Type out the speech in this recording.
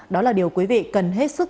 đó là điều quý vị cần hết sức